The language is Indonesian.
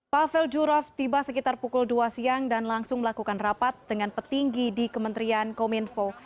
pavel jurav tiba sekitar pukul dua siang dan langsung melakukan rapat dengan petinggi di kementerian kominfo